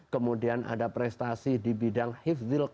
kemudian ada prestasi di bidang hifdil quran